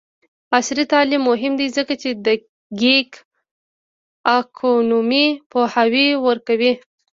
عصري تعلیم مهم دی ځکه چې د ګیګ اکونومي پوهاوی ورکوي.